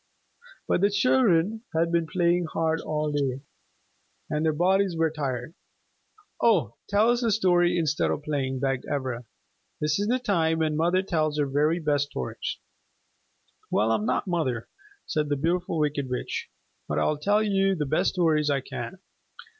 But the children had been playing hard all day, and their bodies were tired. "Oh, tell us a story instead of playing," begged Ivra. "This is the time when mother tells her very best stories." "Well, I am not mother," said the Beautiful Wicked Witch; "but I will tell you the best stories I can.